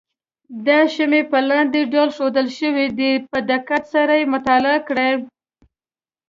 دا شمې په لاندې ډول ښودل شوې ده په دقت سره یې مطالعه کړئ.